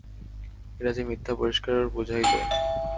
এটা যে মিথ্যা পরিষ্কার বোঝাই যায়!